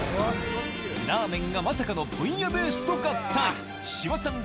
ラーメンがまさかのブイヤベースと合体志麻さん